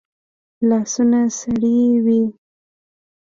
لاسونه سړې وي